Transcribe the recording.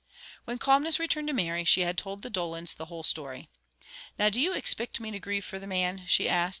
When calmness returned to Mary, she had told the Dolans the whole story. "Now do you ixpict me to grieve for the man?" she asked.